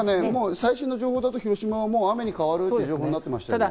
最新の情報だと、広島は雨に変わる予報になってましたね。